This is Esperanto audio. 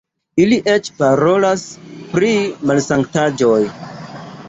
Ili eĉ parolas pri malsanktaĵoj!